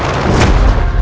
aku mau makan